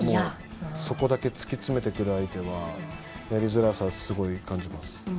そこだけ突き詰めてくる相手はやりづらさをすごい感じます。